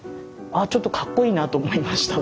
ちょっとかっこいいなと思いました。